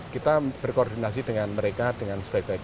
kita berkoordinasi dengan mereka dengan sebaik baiknya